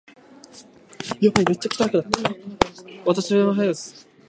早くあなたの頭に瓶の中の香水をよく振りかけてください